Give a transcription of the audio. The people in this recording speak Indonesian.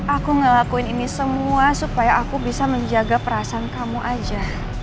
aku ngelakuin ini semua supaya aku bisa menjaga perasaan kamu aja